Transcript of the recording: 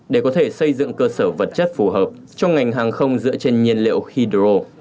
để có thể xây dựng cơ sở vật chất phù hợp cho ngành hàng không dựa trên nhiên liệu hydro